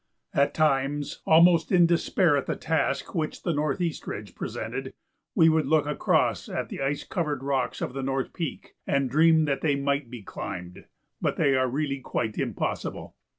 At times, almost in despair at the task which the Northeast Ridge presented, we would look across at the ice covered rocks of the North Peak and dream that they might be climbed, but they are really quite impossible.